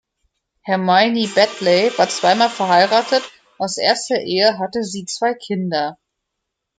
Hermione Baddeley war zweimal verheiratet, aus erster Ehe hatte sie zwei Kinder.